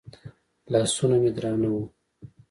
لاسونه مې درانه وو.